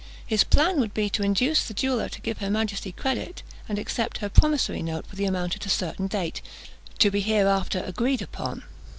His plan would be to induce the jeweller to give her majesty credit, and accept her promissory note for the amount at a certain date, to be hereafter agreed upon.